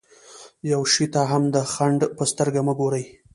يوه شي ته هم د خنډ په سترګه مه ګورئ.